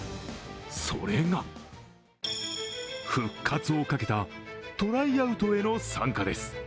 それが、復活をかけたトライアウトへの参加です。